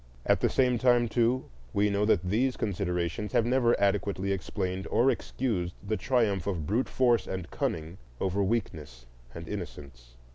At the same time, too, we know that these considerations have never adequately explained or excused the triumph of brute force and cunning over weakness and innocence.